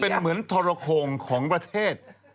เป็นเหมือนทรโคงของประเทศ